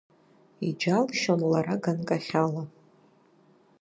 Иџьалшьон лара ганкахьала.